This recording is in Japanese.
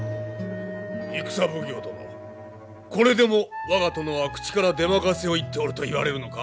軍奉行殿これでも我が殿は口から出任せを言っておると言われるのか？